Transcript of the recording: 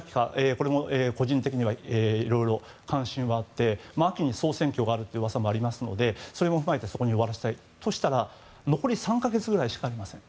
これも個人的にはいろいろ関心はあって秋に総選挙があるという噂もありますのでそれも踏まえてそこまでに終わらせたいとしたら残り３か月ぐらいしかありません。